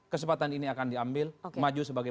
kesempatan ini akan diambil maju sebagai